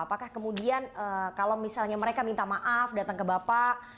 apakah kemudian kalau misalnya mereka minta maaf datang ke bapak